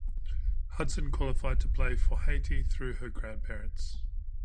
Hudson qualified to play for Haiti through her grandparents.